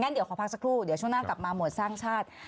เดี๋ยวขอพักสักครู่เดี๋ยวช่วงหน้ากลับมาหมวดสร้างชาติ